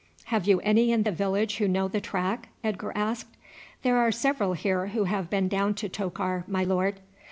"Have you any in the village who know the track?" Edgar asked. "There are several here who have been down to Tokar, my lord."